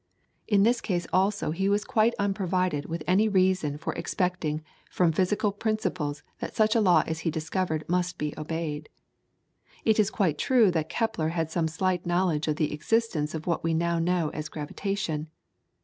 In this case also he was quite unprovided with any reason for expecting from physical principles that such a law as he discovered must be obeyed. It is quite true that Kepler had some slight knowledge of the existence of what we now know as gravitation.